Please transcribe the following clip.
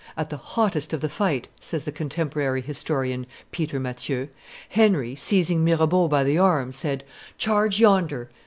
"At the hottest of the fight," says the contemporary historian Peter Matthieu, "Henry, seizing Mirebeau by the arm, said, 'Charge yonder!